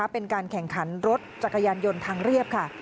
เป็นการแข่งขันรถจักรยานยนต์ทางเรียบค่ะ